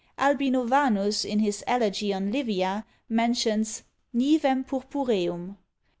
Albinovanus, in his elegy on Livia, mentions Nivem purpureum.